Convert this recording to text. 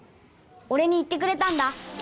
俺に言ってくれたんだ。